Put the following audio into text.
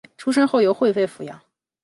出生后由惠妃抚养。